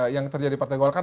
yang terjadi partai golkar